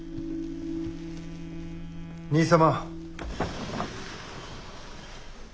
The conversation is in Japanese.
・兄様。